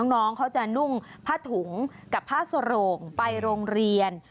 น้องเขาจะนุ่งผ้าถุงกับผ้าสโรงไปโรงเรียน